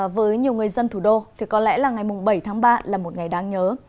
với nhiều người dân thủ đô thì có lẽ là ngày bảy tháng ba là một ngày đáng nhớ